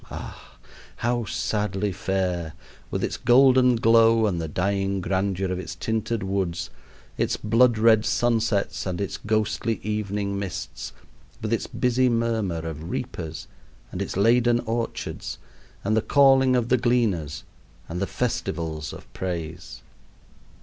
ah, how sadly fair, with its golden glow and the dying grandeur of its tinted woods its blood red sunsets and its ghostly evening mists, with its busy murmur of reapers, and its laden orchards, and the calling of the gleaners, and the festivals of praise!